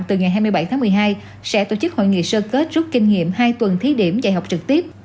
từ ngày hai mươi bảy tháng một mươi hai sẽ tổ chức hội nghị sơ kết rút kinh nghiệm hai tuần thí điểm dạy học trực tiếp